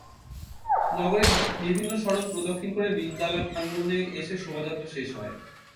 নগরের বিভিন্ন সড়ক প্রদক্ষিণ করে বিদ্যালয় প্রাঙ্গণে এসে শোভাযাত্রা শেষ হয়।